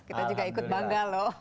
kita juga ikut bangga loh